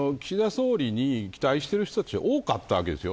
総理に期待してる人たちは多かったわけです。